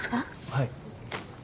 はい。